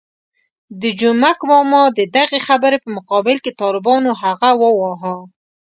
د جومک ماما د دغې خبرې په مقابل کې طالبانو هغه وواهه.